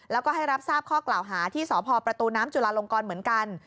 แล้วก็ให้รับทราบข้อกล่าวหาที่สพประตูน้ำจุลาลงกรเหมือนกัน